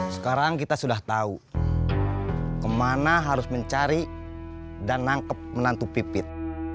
sekarang kita sudah tahu kemana harus mencari dan nangkep menantu pipit